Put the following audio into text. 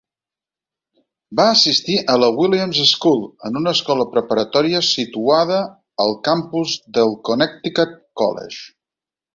Va assistir a la Williams School, una escola preparatòria situada al campus del Connecticut College.